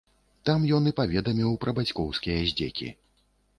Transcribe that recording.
Там ён і паведаміў пра бацькоўскія здзекі.